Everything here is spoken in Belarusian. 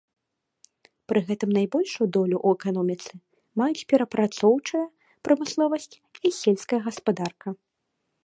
Пры гэтым найбольшую долю ў эканоміцы маюць перапрацоўчая прамысловасць і сельская гаспадарка.